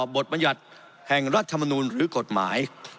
บัญญัติแห่งรัฐมนูลหรือกฎหมาย